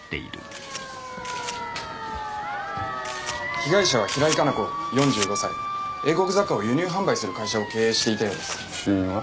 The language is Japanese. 被害者は平井加奈子４５歳英国雑貨を輸入販売する会社を経営していたようです死因は？